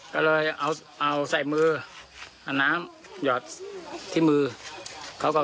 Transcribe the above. ก็เลยเอาใส่มือน้ำอย่อดที่มือ